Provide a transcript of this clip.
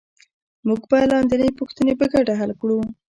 موږ به لاندینۍ پوښتنې په ګډه حل کړو